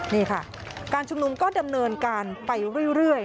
นี่ค่ะการชุมนุมก็ดำเนินการไปเรื่อย